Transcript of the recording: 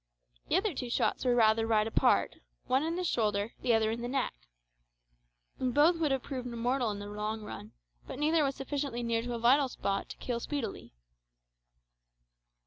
The other two shots were rather wide apart one in the shoulder, the other in the neck. Both would have proved mortal in the long run, but neither was sufficiently near to a vital spot to kill speedily.